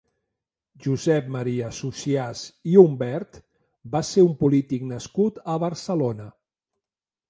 Josep Maria Socías i Humbert va ser un polític nascut a Barcelona.